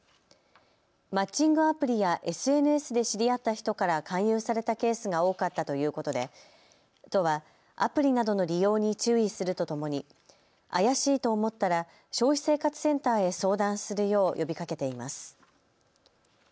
マッチングアプリやＳＮＳで知り合った人から勧誘されたケースが多かったということで都はアプリなどの利用に注意するとともに怪しいと思ったら消費生活センターへ相談するよう呼びかけています。